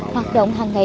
hoạt động hàng ngày